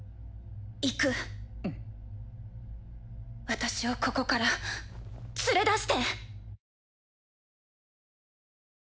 私をここから連れ出して。